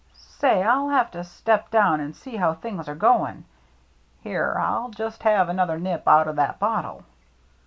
Say, I'll have to step down and sec how things are going. Here, I'll just have another nip out o' that bottle."